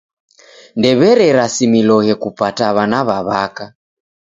Ndowererasimiloghe kupata w'ana w'a w'aka.